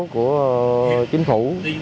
của chính phủ